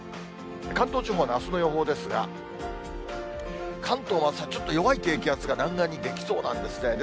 関東地方のあすの予報ですが、関東は朝、ちょっと弱い低気圧が南岸に出来そうなんですね。